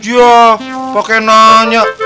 ya pakai nanya